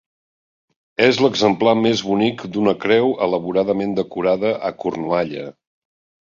És l'exemplar més bonic d'una creu elaboradament decorada a Cornualla.